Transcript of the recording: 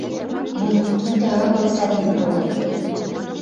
Но Микитӓ агыл сӓрнен толын